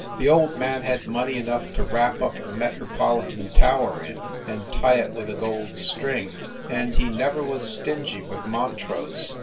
The old man had money enough to wrap up the Metropolitan tower in and tie it with a gold string; and he never was stingy ,with Montrose.